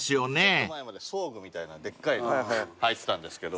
ちょっと前まで装具みたいなでっかいの履いてたんですけど。